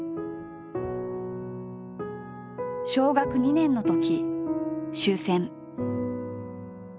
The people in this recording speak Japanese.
小学２年のとき終戦。